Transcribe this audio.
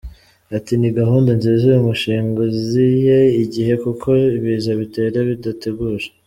Ati“Ni gahunda nziza, uyu mushinga uziye igihe kuko ibiza bitera bidateguje.